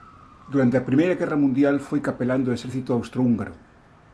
Durante a primeira guerra mundial foi capelán do exército austrohúngaro.